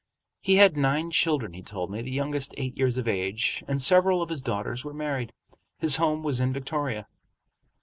He had nine children, he told me, the youngest eight years of age, and several of his daughters were married. His home was in Victoria.